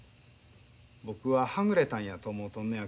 僕ははぐれたんやと思うとんのやけど